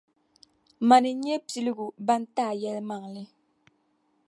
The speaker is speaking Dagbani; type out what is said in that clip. Mani n-nyɛ piligu ban ti A yɛlimaŋli.